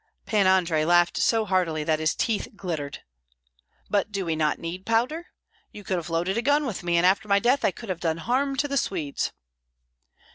Pan Andrei laughed so heartily that his teeth glittered. "But do we not need powder? You could have loaded a gun with me, and after my death I could have done harm to the Swedes."